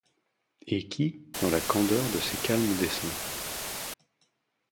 Et qui, dans la candeur de ses calmes desseins